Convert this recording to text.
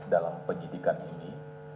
dalam penyidikan ini